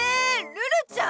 ルルちゃん！